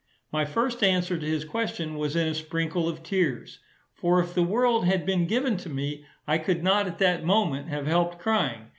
My first answer to his question was in a sprinkle of tears, for if the world had been given to me, I could not, at that moment, have helped crying.